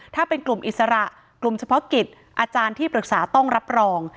ถ้าเป็นกลุ่มอิสระกลุ่มเฉพาะกิจอาจารย์ที่ปรึกษาต้องรับรอง